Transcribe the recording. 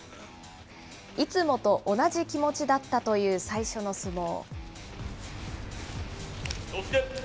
いつもと同じ気持ちだったという最初の相撲。